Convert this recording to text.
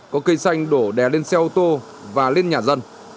có cây xanh đổ đè lên xe ô tô và lên nhà dân